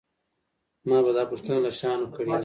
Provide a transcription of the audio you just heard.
ما به دا پوښتنه له شاهانو کړې وي.